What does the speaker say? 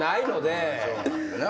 そうなんやな。